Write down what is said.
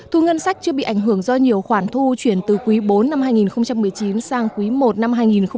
thu ngân sách chưa bị ảnh hưởng do nhiều khoản thu chuyển từ quý bốn năm hai nghìn một mươi chín sang quý i năm hai nghìn hai mươi